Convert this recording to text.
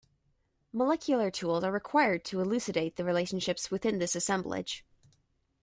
Molecular tools are required to elucidate the relationships within this assemblage.